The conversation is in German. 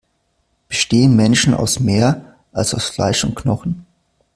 Bestehen Menschen aus mehr, als aus Fleisch und Knochen?